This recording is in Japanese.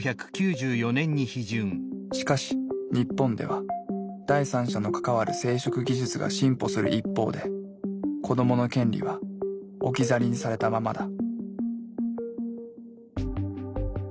しかし日本では第三者の関わる生殖技術が進歩する一方で子どもの権利は置き去りにされたままだ。